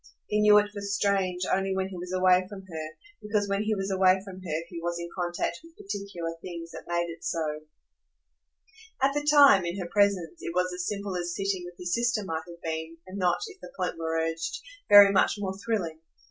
He knew it for strange only when he was away from her, because when he was away from her he was in contact with particular things that made it so. At the time, in her presence, it was as simple as sitting with his sister might have been, and not, if the point were urged, very much more thrilling.